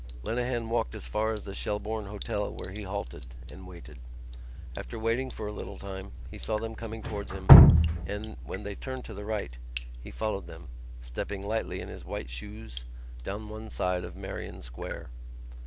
Lenehan walked as far as the Shelbourne Hotel where he halted and waited. After waiting for a little time he saw them coming towards him and, when they turned to the right, he followed them, stepping lightly in his white shoes, down one side of Merrion Square.